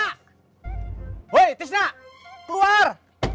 huy tisna keluar